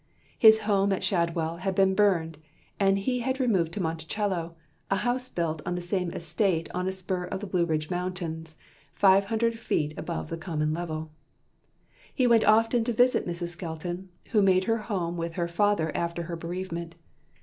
His home at Shadwell had been burned, and he removed to Monticello, a house built on the same estate on a spur of the Blue Ridge Mountains, five hundred feet above the common level. He went often to visit Mrs. Skelton who made her home with her father after her bereavement.